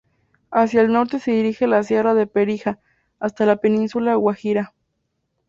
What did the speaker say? Hacia el norte se dirige la Sierra de Perijá hasta la península Guajira.